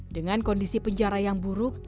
dengan kondisi penjara yang buruk